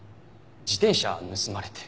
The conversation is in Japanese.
自転車盗まれて。